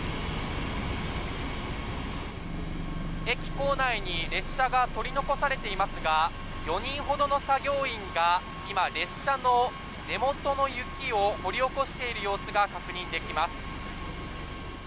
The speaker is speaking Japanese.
駅構内に列車が取り残されていますが４人ほどの作業員が今、列車の根元の雪を掘り起こしている様子が確認できます。